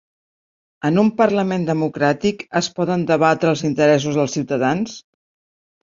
En un parlament democràtic es poden debatre els interessos dels ciutadans?